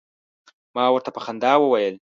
ما ورته په خندا وویل.